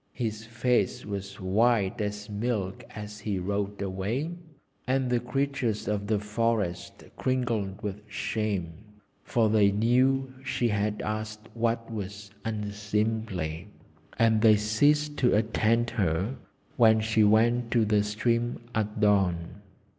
His face was white as milk as he rode away, and the creatures of the forest cringed with shame. For they knew she had asked what was unseemly; and they ceased to attend her when she went to the stream at dawn.